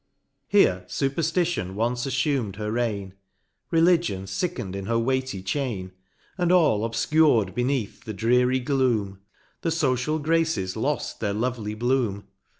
Here Superftition once aflTum'd her reign j Religion flcken'd in her weighty chain : And all obfcur'd beneath the dreary gloom, The focial Graces loft their lovely bloom.